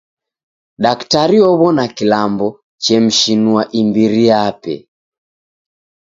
Daktari ow'ona kilambo chemshinua imbiri yape.